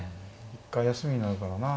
一回休みになるからな。